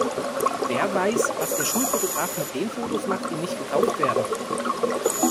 Wer weiß, was der Schulfotograf mit den Fotos macht, die nicht gekauft werden?